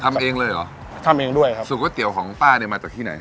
ทำเองเลยเหรอทำเองด้วยครับสูตรก๋วยเตี๋ยวของป้าเนี่ยมาจากที่ไหน